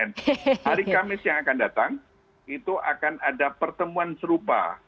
hari kamis yang akan datang itu akan ada pertemuan serupa